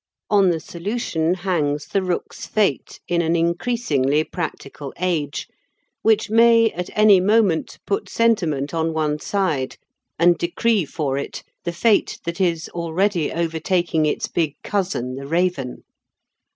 On the solution hangs the rook's fate in an increasingly practical age, which may at any moment put sentiment on one side and decree for it the fate that is already overtaking its big cousin the raven.